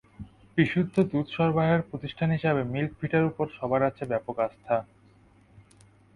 বিশুদ্ধ দুধ সরবরাহের প্রতিষ্ঠান হিসেবে মিল্ক ভিটার ওপর সবার আছে ব্যাপক আস্থা।